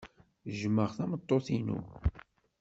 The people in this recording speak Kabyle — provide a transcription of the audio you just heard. Jjmeɣ tameṭṭut-inu.